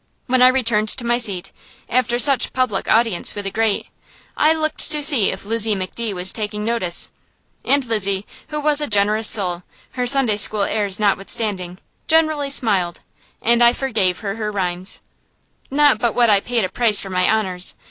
When I returned to my seat, after such public audience with the great, I looked to see if Lizzie McDee was taking notice; and Lizzie, who was a generous soul, her Sunday school airs notwithstanding, generally smiled, and I forgave her her rhymes. Not but what I paid a price for my honors.